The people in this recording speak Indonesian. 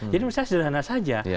jadi misalnya sederhana saja